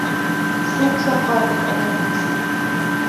Суқәшаҳаҭуп, амаркиз.